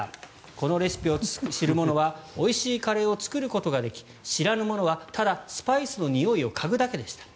このレシピを知る者はおいしいカレーを作ることができ知らぬ者は、ただスパイスのにおいを嗅ぐだけでした。